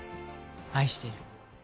愛してる。